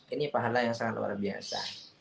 ini pahala yang sangat luar biasa